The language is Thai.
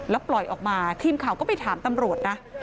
แล้วปล่อยออกมาทีมข่าวก็ไปถามตำรวจนะ